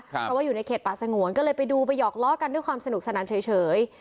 เพราะว่าอยู่ในเขตป่าสงวนก็เลยไปดูไปหอกล้อกันด้วยความสนุกสนานเฉย